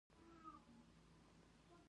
کله چې دیني وروڼه او خویندې مې